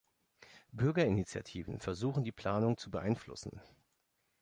Bürgerinitiativen versuchen, die Planungen zu beeinflussen.